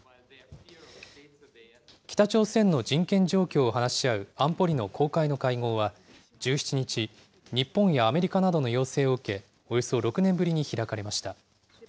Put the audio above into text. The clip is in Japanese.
北朝鮮の人権状況を話し合う安保理の公開の会合は、１７日、日本やアメリカなどの要請を受け、およそ６年ぶりに開かれました。